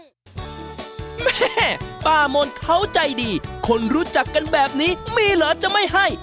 แม่ป้ามนเขาใจดีคนรู้จักกันแบบนี้มีเหรอจะไม่ให้